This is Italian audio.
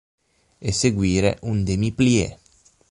Eseguire un demi-plié.